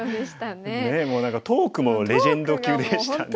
ねえもう何かトークもレジェンド級でしたね。